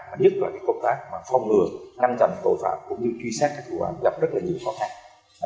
nhất là công tác phòng ngừa ngăn chặn tội phạm cũng như truy sát các tù hoạm gặp rất nhiều khó khăn